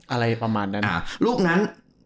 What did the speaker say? อะไรประมาณนั้นลูกนั้น